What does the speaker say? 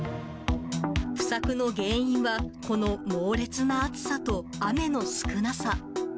不作の原因は、この猛烈な暑さと雨の少なさ。